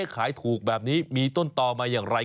ขายถูกแบบนี้มีต้นต่อมาอย่างไร